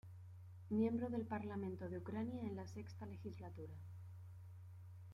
Miembro del Parlamento de Ucrania en la sexta legislatura.